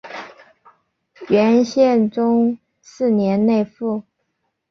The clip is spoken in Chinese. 元宪宗四年内附。